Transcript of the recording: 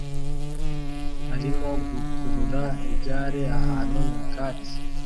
arimo gukurura igare ahantu nyakatsi